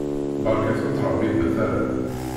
Barket ur ttṛabibbet ara.